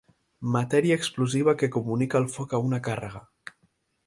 Matèria explosiva que comunica el foc a una càrrega.